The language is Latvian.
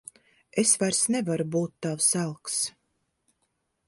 Es vairs nevaru būt tavs elks.